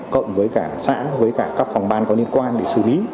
cộng với cả xã với cả các phòng ban có liên quan để xử lý